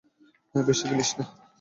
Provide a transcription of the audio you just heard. বেশি গিলিস না।